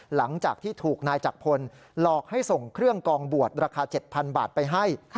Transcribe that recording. หลังจากที่ถูกนายจักรพลหลอกให้ส่งเครื่องกองบวชราคา๗๐๐บาทไปให้